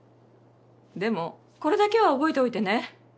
でもこれだけは覚えておいてね。